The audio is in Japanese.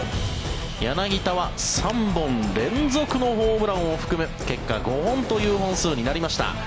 柳田は３本連続のホームランを含む結果、５本という本数になりました。